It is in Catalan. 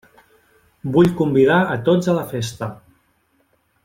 Vull convidar a tots a la festa.